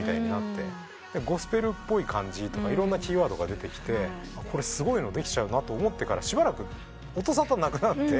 ゴスペルっぽい感じとかいろんなキーワードが出てきてすごいのできちゃうなと思ってからしばらく音沙汰なくなって。